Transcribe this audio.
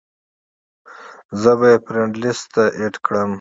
زۀ به ئې فرېنډ لسټ ته اېډ کړم -